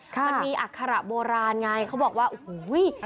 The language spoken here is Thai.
มันมีอัคระโบราณไงเขาบอกว่าโอ้โห